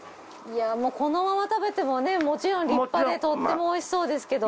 このまま食べてもねもちろん立派でとても美味しそうですけども。